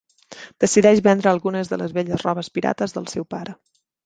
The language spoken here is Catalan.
Decideix vendre algunes de les velles robes pirates del seu pare.